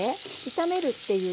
炒めるっていう